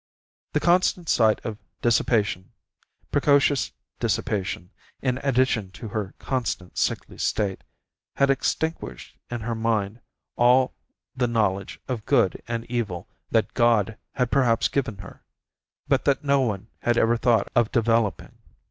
The constant sight of dissipation, precocious dissipation, in addition to her constant sickly state, had extinguished in her mind all the knowledge of good and evil that God had perhaps given her, but that no one had ever thought of developing.